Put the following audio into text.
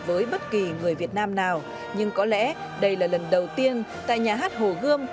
với bất kỳ người việt nam nào nhưng có lẽ đây là lần đầu tiên tại nhà hát hồ gươm